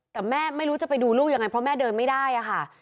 แต่แม่ไม่รู้จะไปดูลูกยังไงเพราะแม่เดินไม่ได้ค่ะ